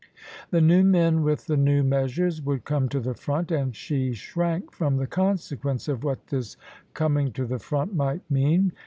The new men with the new measures would come to the front: and she shrank from the consequence of what this coming THE SUBJECTION to the front might mean.